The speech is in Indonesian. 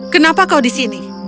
kenapa kau di sini